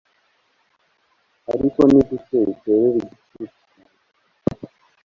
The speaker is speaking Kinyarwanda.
ariko nigute uterera igicucu cyawe